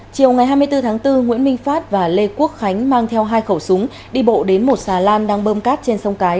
chiều ngày hai mươi bốn tháng bốn nguyễn minh phát và lê quốc khánh mang theo hai khẩu súng đi bộ đến một xà lan đang bơm cát trên sông cái